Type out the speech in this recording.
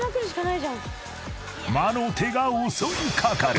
［魔の手が襲い掛かる］